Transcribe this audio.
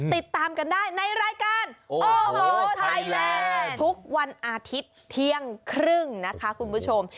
ติดตามกันได้ในรายการโอ้โหไทยแลนด์ทุกวันอาทิตย์เที่ยงครึ่งนะคะคุณผู้ชม